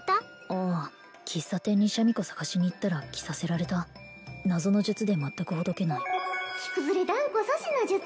ああ喫茶店にシャミ子捜しに行ったら着させられた謎の術で全くほどけない着崩れ断固阻止の術